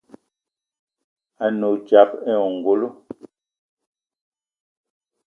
A ne odzap ayi ongolo.